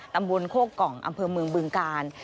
ตำบลโคกกล่องอำเภอเมืองบึงกาล